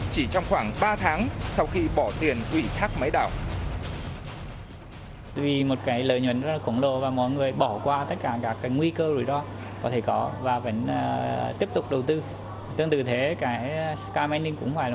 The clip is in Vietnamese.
chỉ trong khoảng ba tháng